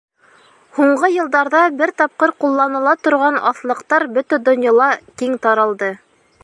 Һуңғы йылдарҙа бер тапҡыр ҡулланыла торған аҫлыҡтар бөтә донъяла киң таралды.